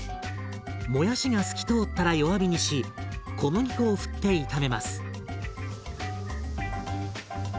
もやしが透き通ったら弱火にし小麦粉をふって炒めます。